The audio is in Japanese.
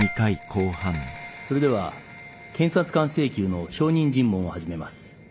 それでは検察官請求の証人尋問を始めます。